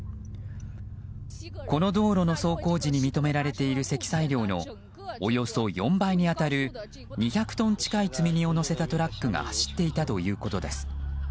この道路の走行時に認められている積載量のおよそ４倍に当たる２００トン近い積み荷を載せたトラックが走っていたということです。